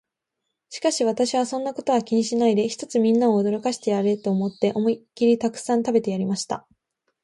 しかし私は、そんなことは気にしないで、ひとつみんなを驚かしてやれと思って、思いきりたくさん食べてやりました。